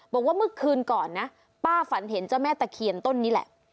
บอกว่าเมื่อคืนก่อนนะป้าฝันเห็นเจ้าแม่ตะเคียนต้นนี้แหละ